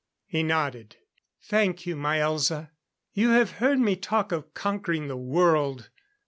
He nodded. "Thank you.... My Elza, you have heard me talk of conquering the world.